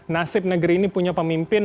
nasib negeri ini punya pemimpin